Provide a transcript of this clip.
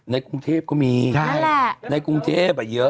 ในกรุงเทพก็มีในกรุงเทพเยอะ